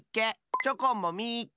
チョコンもみっけ！